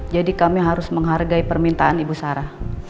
jadi kami harus menghargai permintaan ibu sara